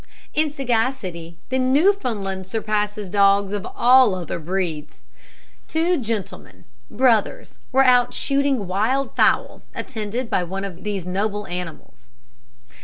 In sagacity, the Newfoundland surpasses dogs of all other breeds. Two gentlemen, brothers, were out shooting wild fowl, attended by one of these noble animals.